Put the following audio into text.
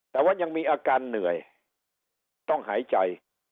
แต่ว่ายังมีอาการเหนื่อยต้องหายใจ